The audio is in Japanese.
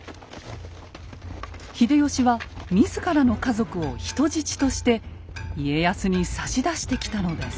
秀吉は自らの家族を人質として家康に差し出してきたのです。